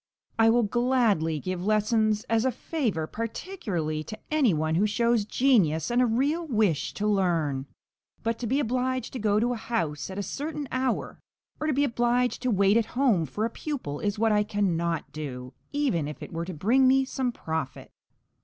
I will gladly give lessons as a favour, particularly to any one who shows genius and a real wish to learn. But to be obliged to go to a house at a certain hour, or to be obliged to wait at home for a pupil, is what I cannot do, even if it were to bring me some profit.